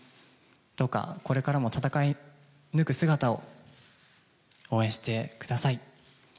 どうか、これからも戦い抜く姿を、応援してください。